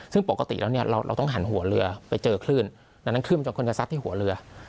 ซึ่งปกติแล้วเนี่ยเราต้องหันหัวเรือไปเจอคลื่นดังนั้นคลื่นมันควรจะซัดที่หัวเรือ